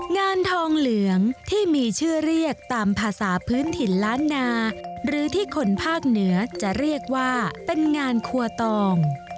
งานทองเหลืองที่มีชื่อเรียกตามภาษาพื้นถิ่นล้านนาหรือที่คนภาคเหนือจะเรียกว่าเป็นงานครัวตอง